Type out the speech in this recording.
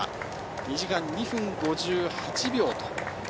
２時間２分５８秒。